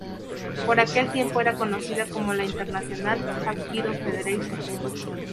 Por aquel tiempo era conocida como la "International Hapkido Federation".